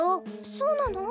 そうなの？